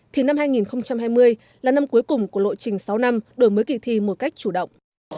thì năm hai nghìn hai mươi là năm cuối cùng của lộ trình sáu năm đổi mới kỳ thi một cách chủ động